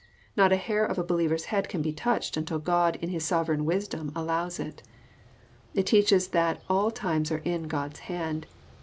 Kot a hair of a believer's head can be touched until God in His sovereign wisdom allows it. — It teaches that all times are in God's hand.